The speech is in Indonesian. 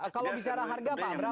kalau bicara harga pak